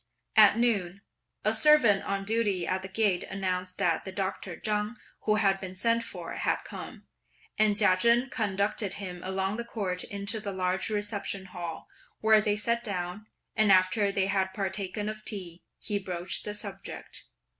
At noon, a servant on duty at the gate announced that the Doctor Chang, who had been sent for, had come, and Chia Chen conducted him along the Court into the large reception Hall, where they sat down; and after they had partaken of tea, he broached the subject.